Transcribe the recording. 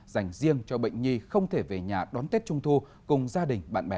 dành riêng cho bệnh nhi không thể về nhà đón tết trung thu cùng gia đình bạn bè